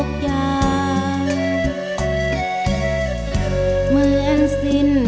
กลับมาเมื่อเวลาที่สุดท้าย